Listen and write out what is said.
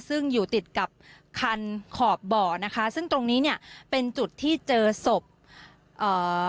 ซึ่งอยู่ติดกับคันขอบบ่อนะคะซึ่งตรงนี้เนี่ยเป็นจุดที่เจอศพเอ่อ